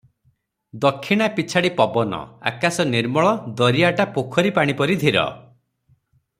ଦକ୍ଷିଣା ପିଛାଡ଼ି ପବନ- ଆକାଶ ନିର୍ମଳ- ଦରିଆଟା ପୋଖରୀ ପାଣି ପରି ଧୀର ।